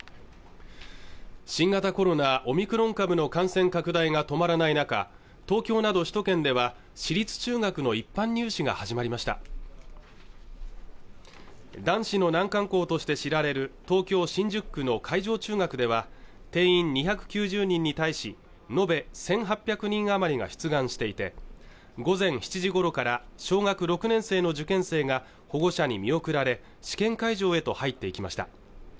新型コロナオミクロン株の感染拡大が止まらない中東京など首都圏では私立中学の一般入試が始まりました男子の難関校として知られる東京・新宿区の海城中学では定員２９０人に対し延べ１８００人余りが出願していて午前７時ごろから小学６年生の受験生が保護者に見送られ試験会場へと入っていきました